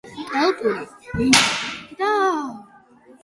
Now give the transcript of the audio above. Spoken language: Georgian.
კელტური ენები ინდოევროპული ენების ერთ-ერთი დასავლური ოჯახია.